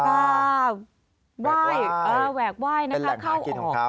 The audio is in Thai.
แหวกนะครับเข้าออกหน้าต่างเป็นแหล่งหากินของเขา